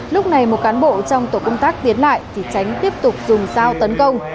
lúc này một cán bộ trong tổ công tác tiến lại thì tránh tiếp tục dùng dao tấn công